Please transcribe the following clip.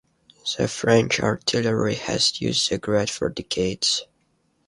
The French artillery has used the grad for decades.